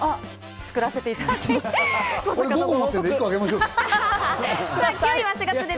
作らせていただきます。